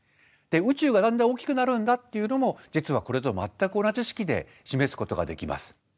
宇宙がだんだん大きくなるんだっていうのも実はこれと全く同じ式で示すことができます。